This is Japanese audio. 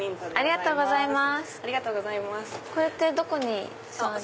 ありがとうございます。